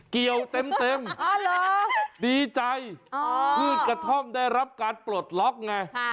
เกี่ยวเต็มดีใจพืชกระท่อมได้รับการปลดล็อกไง